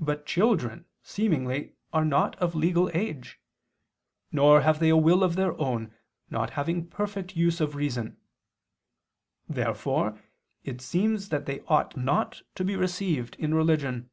But children, seemingly, are not of legal age; nor have they a will of their own, not having perfect use of reason. Therefore it seems that they ought not to be received in religion.